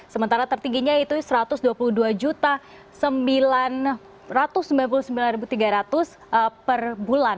sementara tertingginya itu rp satu ratus dua puluh dua sembilan ratus sembilan puluh sembilan tiga ratus per bulan